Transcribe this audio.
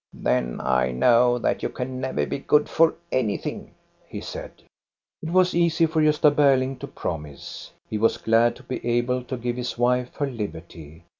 " Then I know that you can never be good for anything," he said. It was easy for Gosta Berling to promise. He was glad to be able to give his wife her liberty.